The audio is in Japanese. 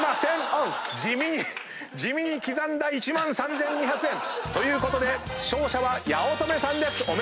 地味に地味に刻んだ１万３，２００円。ということで勝者は八乙女さんです。